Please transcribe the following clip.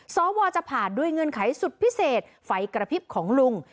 สวจะผ่านด้วยเงื่อนไขสุดพิเศษไฟกระพริบของลุง